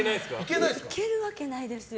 いけるわけないですよ。